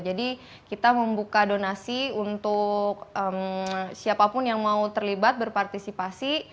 jadi kita membuka donasi untuk siapapun yang mau terlibat berpartisipasi